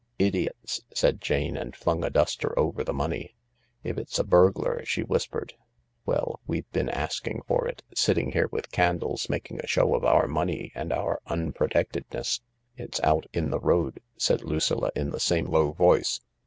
" Idiots 1 " said Jane, and flung a duster over the money. " If it's a burglar/' she whispered— "well, we've been asking for it, sitting here with candles, making a show of our money and our unprotectedness." " It's out in the road," said Lucilla in the same low voice.